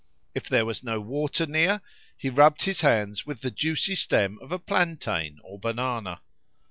If there was no water near, he rubbed his hands with the juicy stem of a plantain or banana.